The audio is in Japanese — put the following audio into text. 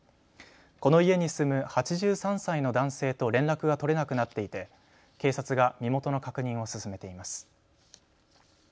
この家に住む８３歳の男性と連絡が取れなくなっていて警察が身元の確認を進めています。